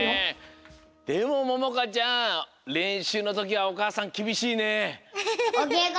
でもももかちゃんれんしゅうのときはおかあさんきびしいね。